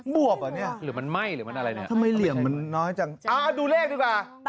บวบเหรอเนี่ยทำไมเหลี่ยมมันน้อยจังอ่าดูเลขดีกว่า